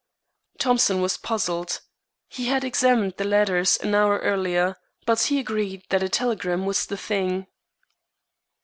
Thompson was puzzled. He had examined the letters an hour earlier. But he agreed that a telegram was the thing.